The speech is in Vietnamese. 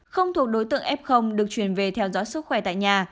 không thuộc đối tượng f được chuyển về theo dõi sức khỏe tại nhà